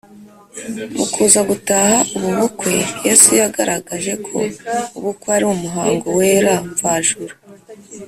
. Mu kuza gutaha ubu bukwe, Yesu yagaragaje ko ubukwe ari umuhango wera mvajuru.